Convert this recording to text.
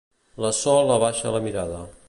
La Sol abaixa la mirada.